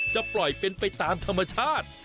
จะปล่อยเป็นไปตามธรรมชาติ